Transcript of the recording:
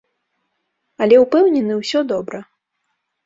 Але ўпэўнены, усё добра.